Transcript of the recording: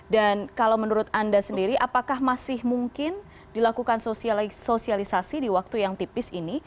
dan kalau menurut anda sendiri apakah masih mungkin dilakukan sosialisasi di waktu yang tipis ini